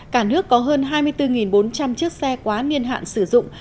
cả nước có hơn hai mươi bốn bốn trăm linh chiếc xe quá niên hạn sử dụng